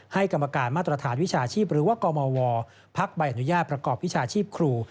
กรรมการมาตรฐานวิชาชีพหรือว่ากมวพักใบอนุญาตประกอบวิชาชีพครู